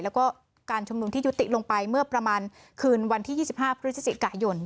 แล้วก็การชุมนุมที่ยุติลงไปเมื่อประมาณคืนวันที่๒๕พฤศจิกายน